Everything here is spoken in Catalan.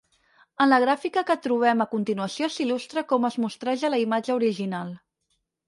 En la gràfica que trobem a continuació s'il·lustra com es mostreja la imatge original.